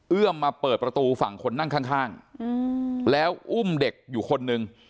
มาเปิดประตูฝั่งคนนั่งข้างแล้วอุ้มเด็กอยู่คนหนึ่ง